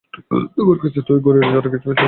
তোমার কাছে তো ঐ ঘড়িটা ছাড়া আর কিছু ছিল না।